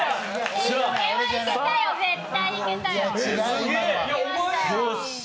これはいけたよ、絶対いけたよ！